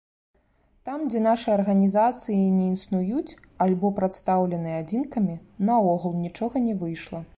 Там, дзе нашы арганізацыі не існуюць альбо прадстаўлены адзінкамі, наогул нічога не выйшла.